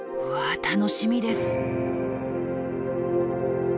わあ楽しみです！